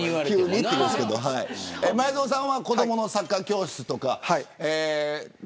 前園さんは子どものサッカー教室とか。